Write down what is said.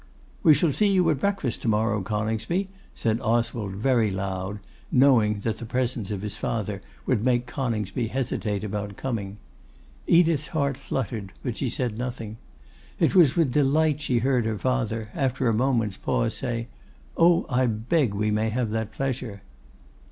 'We shall see you at breakfast to morrow, Coningsby!' said Oswald, very loud, knowing that the presence of his father would make Coningsby hesitate about coming. Edith's heart fluttered; but she said nothing. It was with delight she heard her father, after a moment's pause, say, 'Oh! I beg we may have that pleasure.